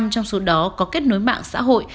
bốn mươi một trong số đó có kết nối mạng xã hội